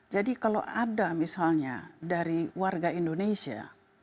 jadi kalau ada misalnya dari warga indonesia